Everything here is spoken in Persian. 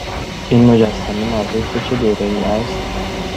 این مجسمه مربوط به چه دوره ای است؟